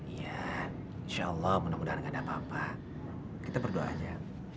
ya insya allah mudah mudahan gak ada apa apa kita berdoa saja